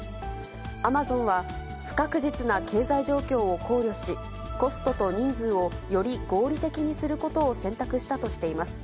アマゾンは不確実な経済状況を考慮し、コストと人数をより合理的にすることを選択したとしています。